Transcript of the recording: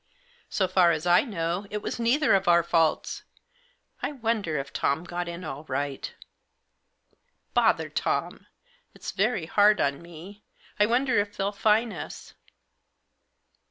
" So far as I know it was neither of our faults. I wonder if Tom got in all right" "Bother Tom! Ifs very hard on me. I wonder if they'll fine us?"